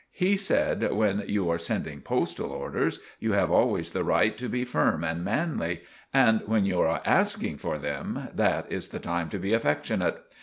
He said when you are sending postal orders you have always the rite to be firm and manly; and when you are asking for them, that is the time to be affecshunite.